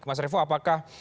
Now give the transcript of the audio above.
mas revo apakah